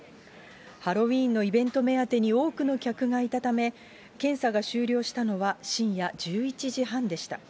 ハロウィーンのイベント目当てに、多くの客がいたため、検査が終了したのは、深夜１１時半でした。